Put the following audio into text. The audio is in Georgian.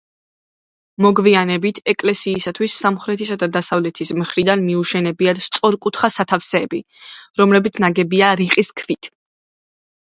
მოგვიანებით ეკლესიისათვის სამხრეთისა და დასავლეთის მხრიდან მიუშენებიათ სწორკუთხა სათავსები, რომლებიც ნაგებია რიყის ქვით.